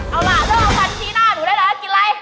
เอาล่ะเริ่มเอาฟันเชียร่์หน้าหนูได้แล้วนะกินไร